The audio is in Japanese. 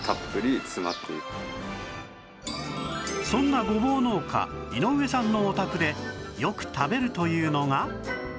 そんなごぼう農家井上さんのお宅でよく食べるというのが